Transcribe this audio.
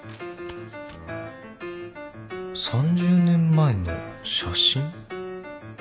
３０年前の写真。